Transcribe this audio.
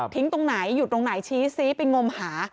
ทิ้งตรงไหนหยุดตรงไหนชี้ไปงมหา